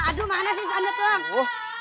aduh mana sih standartnya